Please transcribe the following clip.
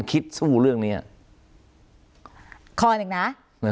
คลิกสู้เรื่องนี้อะขออย่างนั้นอ่า